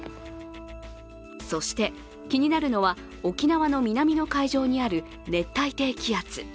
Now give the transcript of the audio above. そして気になるのは沖縄の南の海上にある熱帯低気圧。